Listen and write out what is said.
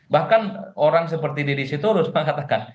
bahkan orang seperti didi sitorus mengatakan